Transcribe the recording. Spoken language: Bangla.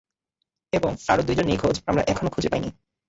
এবং আরো দুইজন নিখোঁজ আমরা এখনো খুঁজে পাইনি।